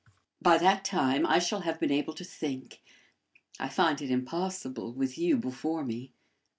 By that time I shall have been able to think; I find it impossible, with you before me."